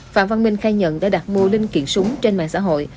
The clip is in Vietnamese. phạm văn minh khai nhận đã đặt mua linh kiện súng trên mạng xã hội